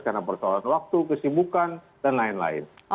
karena persoalan waktu kesibukan dan lain lain